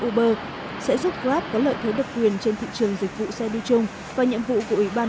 uber sẽ giúp grab có lợi thế độc quyền trên thị trường dịch vụ xe đi chung và nhiệm vụ của ủy ban